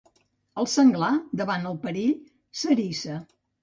El senglar, davant el perill, s'eriça.